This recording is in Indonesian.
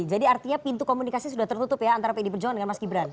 jadi artinya pintu komunikasi sudah tertutup ya antara pdi perjuangan dengan mas gibran